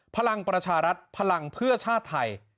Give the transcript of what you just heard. พลังประชารัฐพลังเพื่อชาติไทย